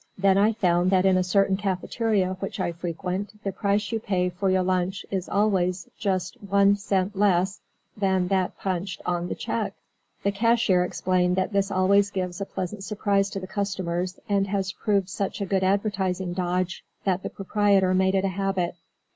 Then I found that in a certain cafeteria which I frequent the price you pay for your lunch is always just one cent less than that punched on the check. The cashier explained that this always gives a pleasant surprise to the customers, and has proved such a good advertising dodge that the proprietor made it a habit.